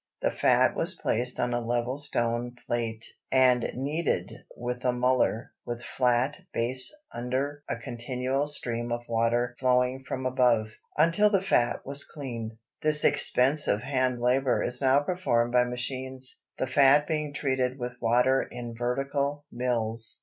The fat was placed on a level stone plate and kneaded with a muller with flat base under a continual stream of water flowing from above, until the fat was clean. This expensive hand labor is now performed by machines, the fat being treated with water in vertical mills.